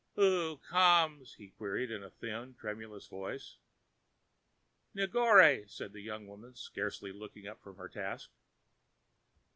"Who comes?" he queried in a thin, tremulous voice. "Negore," said the young woman, scarcely looking up from her task.